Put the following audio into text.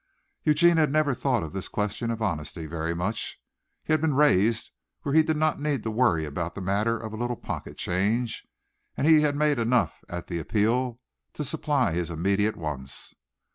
Eugene had never thought of this question of honesty very much. He had been raised where he did not need to worry about the matter of a little pocket change, and he had made enough at the Appeal to supply his immediate wants.